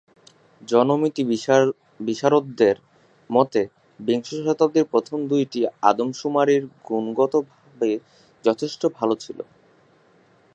জনমিতি বিশারদদের মতে বিংশ শতাব্দীর প্রথম দুইটি আদমশুমারি গুণগতভাবে যথেষ্ট ভালো ছিল।